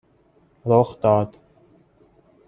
رخ داد